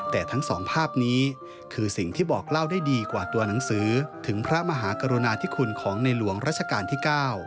แต่ทั้งสองภาพนี้คือสิ่งที่บอกเล่าได้ดีกว่าตัวหนังสือถึงพระมหากรุณาธิคุณของในหลวงราชการที่๙